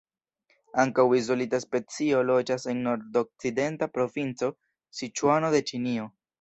Ankaŭ izolita specio loĝas en nordokcidenta provinco Siĉuano de Ĉinio.